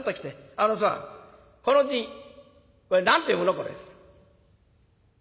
あのさこの字これ何て読むの？これ」。